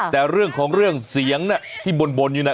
แต่เรื่องของเรื่องเสียงที่บ่นอยู่นะ